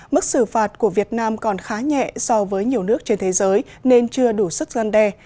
mức xử phạt của việt nam còn khá nhẹ so với nhiều nước trên thế giới nên chưa đủ sức gian đe